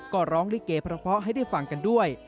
ก็ร้องลิเกเพราะให้ได้ฟังกันด้วย